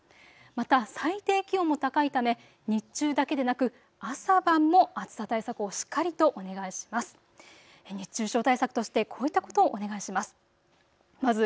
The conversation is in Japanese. また最低気温も高いため日中だけでなく朝晩も暑さ対策をしっかりとお願いします。